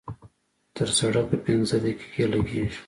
تر سړکه پينځه دقيقې لګېږي.